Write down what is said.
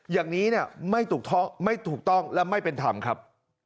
อย่างนี้ไม่ถูกต้องและไม่เป็นธรรมครับ